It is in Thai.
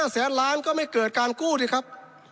แสนล้านก็ไม่เกิดการกู้สิครับ